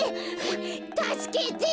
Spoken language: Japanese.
たすけて！